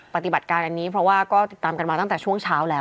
ปฏิบัติการอันนี้เพราะว่าก็ติดตามกันมาตั้งแต่ช่วงเช้าแล้ว